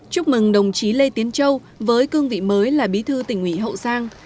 chúc mừng đồng chí lê tiến châu với cương vị mới là bí thư tỉnh ủy hậu giang